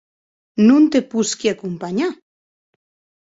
Non te posqui acompanhar?